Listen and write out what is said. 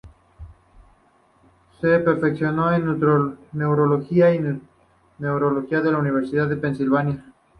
Se perfeccionó en neurología y neurocirugía en la Universidad de Pensilvania.